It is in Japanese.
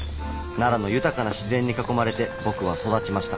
奈良の豊かな自然に囲まれて僕は育ちました。